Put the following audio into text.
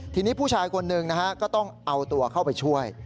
ทีนี้ผู้ชายคนหนึ่งนะฮะก็ต้องเอาตัวเข้าไปช่วย